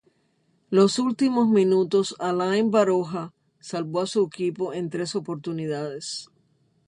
Los últimos minutos Alain Baroja salvó a su equipo en tres oportunidades.